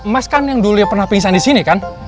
mas kan yang dulu pernah pingsan disini kan